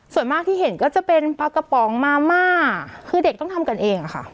ส่วนมากที่เห็นก็จะเป็นปลากระป๋องมาม่าคือเด็กต้องทำกันเองอะค่ะ